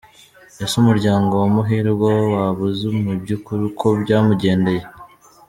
Ese umuryango wa Muhirwa waba uzi mu byukuri uko byamugendeye?